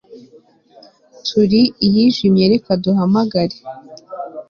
turi iyijimye reka duhamagare